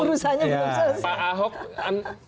urusannya belum selesai